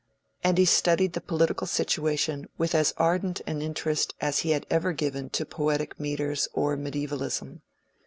—and he studied the political situation with as ardent an interest as he had ever given to poetic metres or mediaevalism.